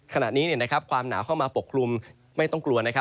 ขณะนี้นะครับความหนาวเข้ามาปกคลุมไม่ต้องกลัวนะครับ